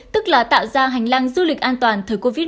tức là tạo ra hành lang du lịch an toàn thời covid một mươi chín